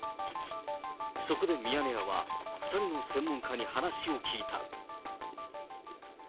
そこでミヤネ屋は、２人の専門家に話を聞いた。